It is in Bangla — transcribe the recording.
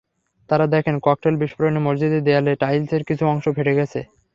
তাঁরা দেখেন, ককটেল বিস্ফোরণে মসজিদের দেয়ালে টাইলসের কিছু অংশ ফেটে গেছে।